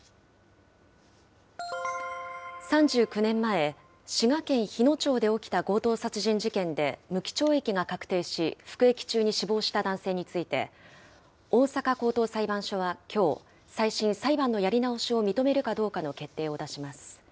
３９年前、滋賀県日野町で起きた強盗殺人事件で無期懲役が確定し、服役中に死亡した男性について、大阪高等裁判所はきょう、再審・裁判のやり直しを認めるかどうかの決定を出します。